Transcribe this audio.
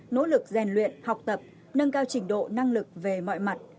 nỗ lực rèn luyện học tập nâng cao trình độ năng lực về mọi mặt